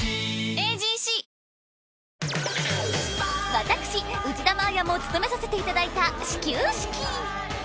私内田真礼も務めさせていただいた始球式。